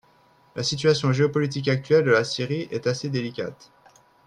La situation géopolitique actuelle de la Syrie est assez délicate.